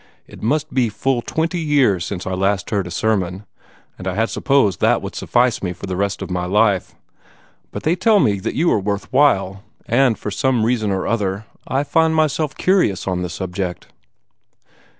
It must be fully twenty years since I last heard a sermon, and I had supposed that that would suffice for the rest of my life. But they tell me that you are worth while; and, for some reason or other, I find myself curious on the subject."